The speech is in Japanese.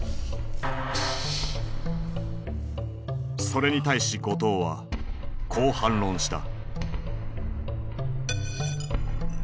それに対し後藤はこう反論した。